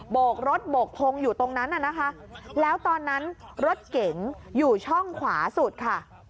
โกกรถโบกทงอยู่ตรงนั้นน่ะนะคะแล้วตอนนั้นรถเก๋งอยู่ช่องขวาสุดค่ะ